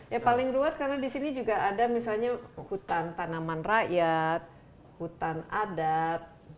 ya paling ruwet karena di sini juga ada misalnya hutan tanaman rakyat hutan adat